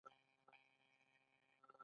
بیا هم خوراکي توکي او نور شیان تولیدوي